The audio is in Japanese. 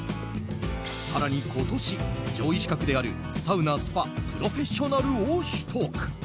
更に今年、上位資格であるサウナ・スパプロフェッショナルを取得。